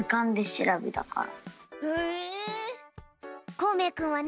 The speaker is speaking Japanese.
こうめいくんはね